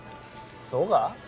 そうか？